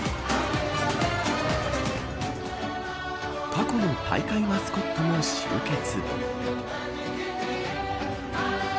過去の大会マスコットも集結。